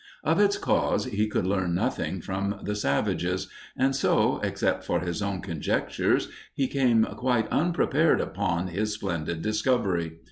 Of its cause he could learn nothing from the savages; and so, except for his own conjectures, he came quite unprepared upon his splendid discovery.